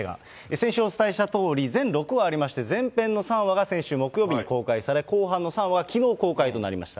先週お伝えしたとおり、全６話ありまして、前編の３話が先週木曜日に公開され、後半の３話はきのう公開となりました。